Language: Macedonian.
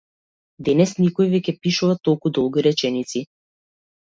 Денес никој веќе пишува толку долги реченици.